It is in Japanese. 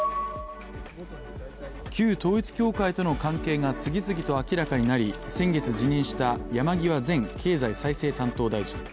旧統一教会との関係が次々と明らかになり先月辞任した山際前経済再生担当大臣。